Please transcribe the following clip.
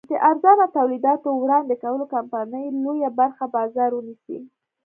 د ارزانه تولیداتو وړاندې کولو کمپنۍ لویه برخه بازار ونیسي.